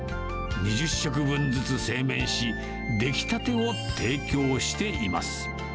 ２０食分ずつ製麺し、出来たてを提供しています。